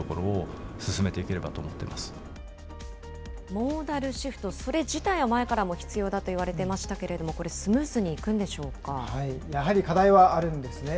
モーダルシフト、それ自体は前からも必要だといわれていましたけれども、これ、スやはり課題はあるんですね。